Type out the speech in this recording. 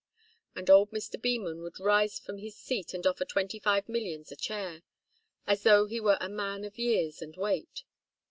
And old Mr. Beman would rise from his seat and offer Twenty Five Millions a chair, as though he were a man of years and weight.